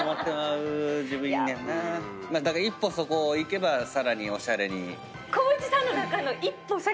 一歩そこをいけばさらにおしゃれに。